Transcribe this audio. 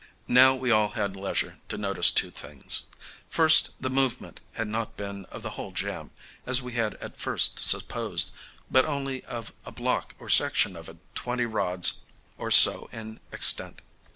Now we all had leisure to notice two things. First, the movement had not been of the whole jam, as we had at first supposed, but only of a block or section of it twenty rods or so in extent.